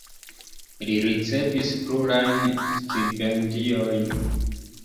Li ricevis plurajn stipendiojn.